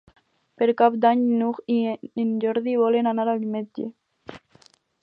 Per Cap d'Any n'Hug i en Jordi volen anar al metge.